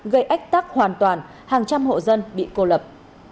gây ách tắc hoàn toàn hàng trăm hộ dân bị cô lập